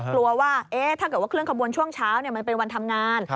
กลัวว่าถ้าเกิดว่าเคลื่อขบวนช่วงเช้ามันเป็นวันทำงาน